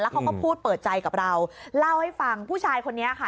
เขาก็พูดเปิดใจกับเราเล่าให้ฟังผู้ชายคนนี้ค่ะ